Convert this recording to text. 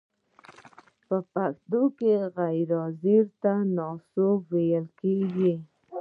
په پښتو کې غیر حاضر ته ناسوب ویل کیږی.